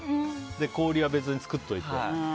氷は別に作っておいて。